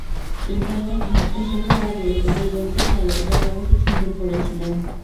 Internet ঘাঁটতে শেখার আগেই ওদের বলতে চাই, ওদের বাবা কিছু ভুল করেছিল।